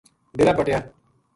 ڈیرا پٹیا